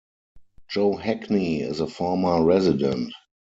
Joe Hackney is a former resident.